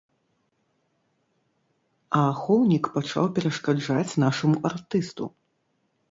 А ахоўнік пачаў перашкаджаць нашаму артысту.